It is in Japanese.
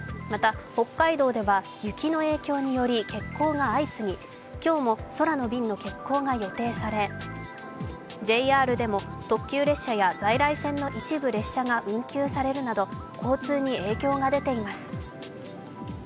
また、北海道では雪の影響により欠航が相次ぎ今日も、空の便の欠航が予定されＪＲでも特急列車や在来線の一部列車が運休されるなど交通に影響が出ています。